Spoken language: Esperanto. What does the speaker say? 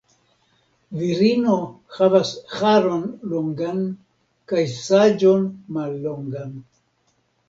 Virino havas haron longan kaj saĝon mallongan.